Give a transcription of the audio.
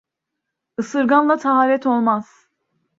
Isırgan ile taharet olmaz.